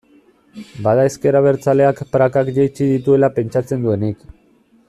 Bada ezker abertzaleak prakak jaitsi dituela pentsatzen duenik.